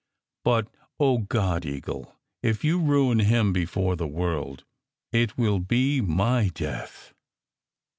But, oh, God, Eagle, if you ruin him before the world it will be my death